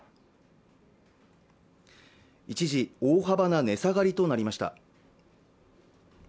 一時大幅な値下がりとなりました